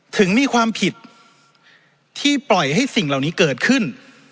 ถึงมีความผิดที่ปล่อยให้สิ่งเหล่านี้เกิดขึ้น